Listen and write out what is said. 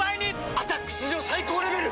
「アタック」史上最高レベル！